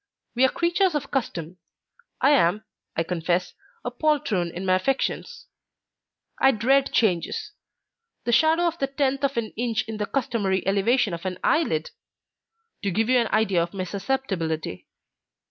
We are creatures of custom. I am, I confess, a poltroon in my affections; I dread changes. The shadow of the tenth of an inch in the customary elevation of an eyelid! to give you an idea of my susceptibility.